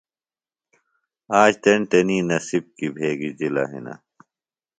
آج تیݨ تیݨی نصِب کیۡ بھگِجلَہ ہِنہ۔